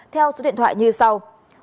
theo số điện thoại như sau